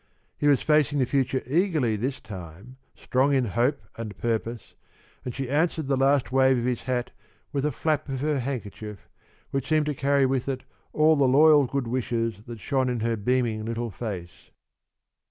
He was facing the future eagerly this time, strong in hope and purpose, and she answered the last wave of his hat with a flap of her handkerchief, which seemed to carry with it all the loyal good wishes that shone in her beaming little face.